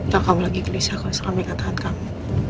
kalau kamu lagi gelisah kau selalu ingin ketahuan kamu